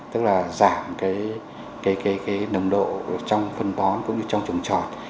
tức là giảm nồng độ trong phân bón cũng như trong trồng chuột